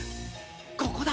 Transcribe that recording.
ここだ！